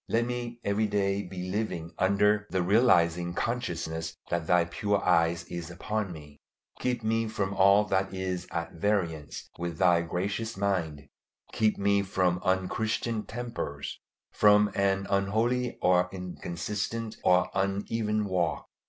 Let me every day be living under the realizing consciousness that Thy pure eye is upon me. Keep me from all that is at variance with Thy gracious mind. Keep me from unchristian tempers, from an unholy or inconsistent or uneven walk.